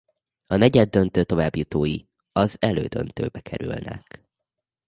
A negyeddöntő továbbjutói az elődöntőbe kerültek.